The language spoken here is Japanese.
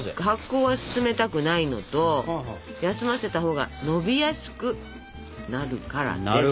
発酵は進めたくないのと休ませたほうがのびやすくなるからです。